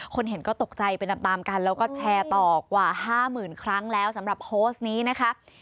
เห็นก็ตกใจไปตามตามกันแล้วก็แชร์ต่อกว่า๕๐๐๐ครั้งแล้วสำหรับโพสต์นี้นะคะ